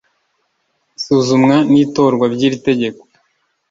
isuzumwa n itorwa by iri tegeko